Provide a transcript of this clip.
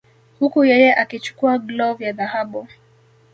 Huku yeye akichukua glov ya dhahabu